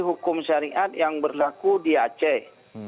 hukum syariat yang berlaku di aceh